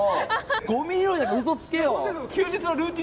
ゴミ拾いなんかうそつけよ！